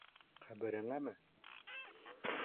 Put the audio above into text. Ҡәбереңәме?